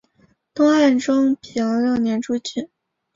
东汉中平六年诸郡。